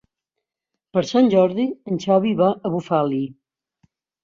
Per Sant Jordi en Xavi va a Bufali.